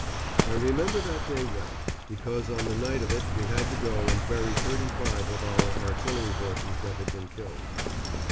I remember that day well, because on the night of it we had to go and bury thirty five of our artillery horses that had been killed.